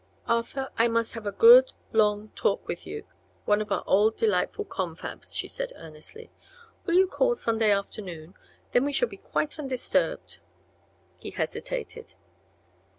"Arthur, I must have a good long; talk with you one of our old, delightful confabs," she said, earnestly. "Will you call Sunday afternoon? Then we shall be quite undisturbed." He hesitated.